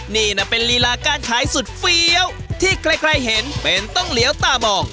นี่นะเป็นลีลาการขายสุดเฟี้ยวที่ใครเห็นเป็นต้องเหลียวตามอง